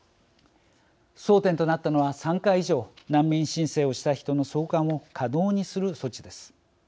争点となったのは３回以上難民申請をした人の送還を可能にする措置です。